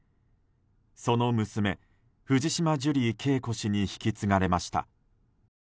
その娘・藤島ジュリー景子氏に引き継がれました。